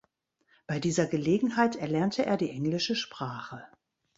Bei dieser Gelegenheit erlernte er die englische Sprache.